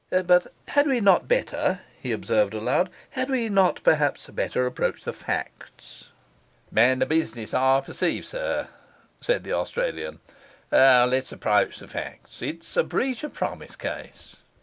'But had we not better,' he observed aloud, 'had we not perhaps better approach the facts?' 'Man of business, I perceive, sir!' said the Australian. 'Let's approach the facts. It's a breach of promise case.